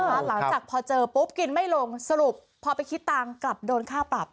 หลังจากพอเจอปุ๊บกินไม่ลงสรุปพอไปคิดตังค์กลับโดนค่าปรับ